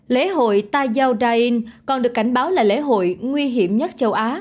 lễ hội taiyao dain còn được cảnh báo là lễ hội nguy hiểm nhất châu á